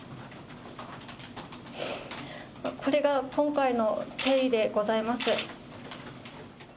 これが今回の経緯でございます。